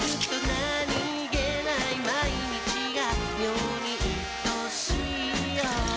何気ない毎日が妙にいとしいよ